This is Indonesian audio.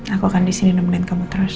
aku akan kesiniinated kamu terus